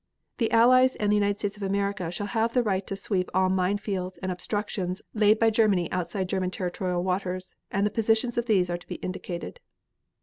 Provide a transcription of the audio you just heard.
The Allies and the United States of America shall have the right to sweep all mine fields and obstructions laid by Germany outside German territorial waters, and the positions of these are to be indicated.